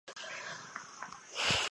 大业初年复置。